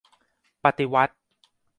ปฏิวัติ !